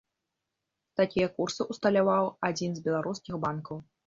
Такія курсы ўсталяваў адзін з беларускіх банкаў.